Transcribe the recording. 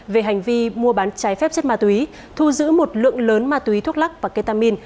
về hành vi mua bán trái phép chất ma túy thu giữ một lượng lớn ma túy thuốc lắc và ketamin